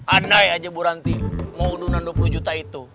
andai aja bu ranti mau dunan dua puluh juta itu